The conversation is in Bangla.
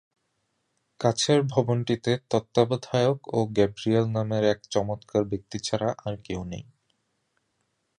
কাছের ভবনটিতে তত্ত্বাবধায়ক ও গ্যাব্রিয়েল নামের এক চমৎকার ব্যক্তি ছাড়া আর কেউ নেই।